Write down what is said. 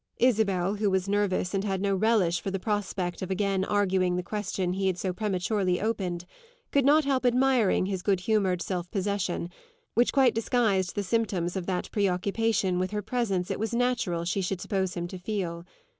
Isabel, who was nervous and had no relish for the prospect of again arguing the question he had so prematurely opened, could not help admiring his good humoured self possession, which quite disguised the symptoms of that preoccupation with her presence it was natural she should suppose him to feel.